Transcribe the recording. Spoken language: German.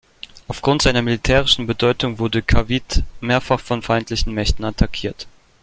Aufgrund seiner militärischen Bedeutung wurde Cavite mehrfach von feindlichen Mächten attackiert.